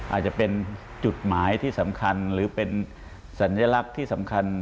อาจจะเป็นจุดหมายที่สำคัญหรือเป็นสัญลักษณ์ที่สำคัญ